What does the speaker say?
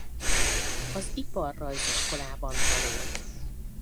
Az Iparrajziskolában tanult.